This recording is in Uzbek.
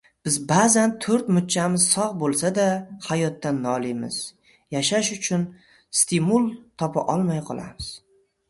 Biz baʼzan toʻrt muchchamiz sogʻ boʻlsada hayotdan noliymiz, yashash uchun stimul topa olmay qolamiz.